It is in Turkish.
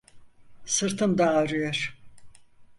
Sırtım da ağrıyor.